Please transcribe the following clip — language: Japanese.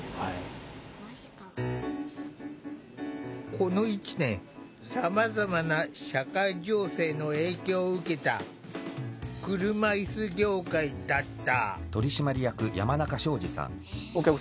この１年さまざまな社会情勢の影響を受けた車いす業界だった。